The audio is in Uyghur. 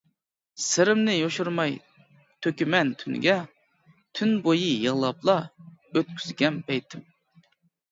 سىرىمنى يوشۇرماي تۆكىمەن تۈنگە. تۈن بويى يىغلاپلا ئۆتكۈزگەن پەيتىم.